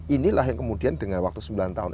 inilah yang kemudian dengan waktu sembilan tahun